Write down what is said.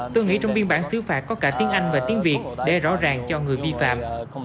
tôi nghĩ trong biên bản xứ phạt có cả tiếng anh và tiếng việt để rõ ràng cho người vi phạm